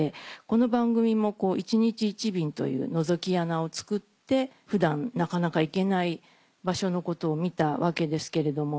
この番組も「１日１便」というのぞき穴を作って普段なかなか行けない場所のことを見たわけですけれども。